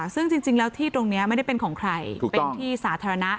ซึ่งจริงจริงแล้วที่ตรงเนี้ยไม่ได้เป็นของใครถูกต้องเป็นที่สาธารณะ